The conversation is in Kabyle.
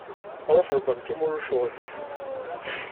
Ruḥ lbanka ma ulac aɣilif.